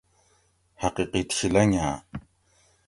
حقیقت شی لنگاۤ